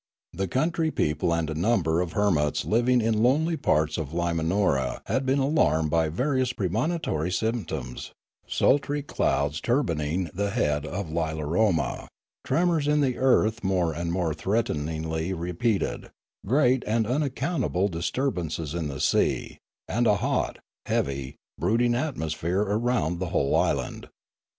The country people and a number of hermits living in lonely parts of Limanora had been alarmed by various premonitory symptoms, sultry clouds turbaning the head of Lilaroma, tremors in the earth more and more threateningly repeated, great and unaccountable dis turbances in the sea, and a hot, heavy, brooding atmos phere around the whole island.